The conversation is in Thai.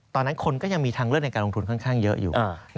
ตอนนั้นคนก็ยังมีทางเลือกในการลงทุนค่อนข้างเยอะอยู่